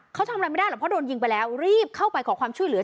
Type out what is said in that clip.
เขาทำอะไรไม่ได้หรอกเพราะโดนยิงไปแล้วรีบเข้าไปขอความช่วยเหลือ